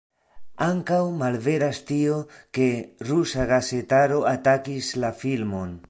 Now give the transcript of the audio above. Ankaŭ malveras tio, ke rusa gazetaro atakis la filmon.